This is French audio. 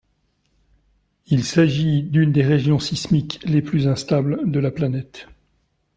Il s'agit d'une des régions sismiques les plus instables de la planète.